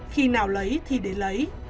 khi nào lấy thì để lấy